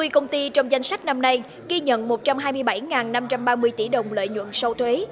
năm mươi công ty trong danh sách năm nay ghi nhận một trăm hai mươi bảy năm trăm ba mươi tỷ đồng lợi nhuận sau thuế